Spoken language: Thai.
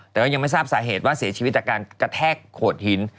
แต่ว่ายังไม่ทราบสาเหตุว่าเสียชีวิตจากการกระแทกโขดหิน